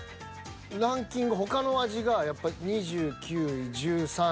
ランキング他の味がやっぱり２９位１３位。